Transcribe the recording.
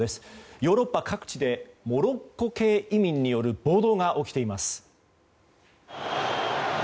ヨーロッパ各地でモロッコ系移民による暴動が起きています。